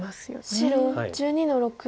白１２の六。